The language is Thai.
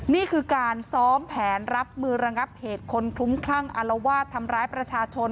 นี่คือการซ้อมแผนรับมือระงับเหตุคนคลุ้มคลั่งอารวาสทำร้ายประชาชน